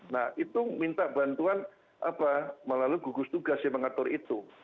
nah itu minta bantuan melalui gugus tugas yang mengatur itu